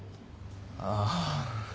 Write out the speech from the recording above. ああ。